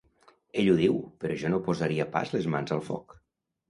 Ell ho diu, però jo no posaria pas les mans al foc.